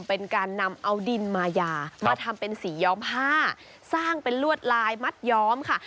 เป็นการนำเอาดินมายามาทำเป็นสีย้อมผ้าสร้างเป็นลวดลายมัดย้อมค่ะ